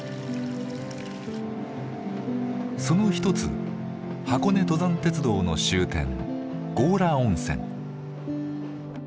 その一つ箱根登山鉄道の終点強羅温泉。